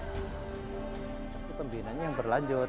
pasti pembinaannya yang berlanjut